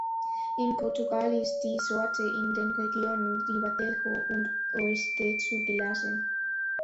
In Portugal ist die Sorte in den Regionen Ribatejo und Oeste zugelassen.